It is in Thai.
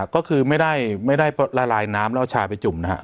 ก็คือไม่ได้ละลายน้ำแล้วชาไปจุ่มนะฮะ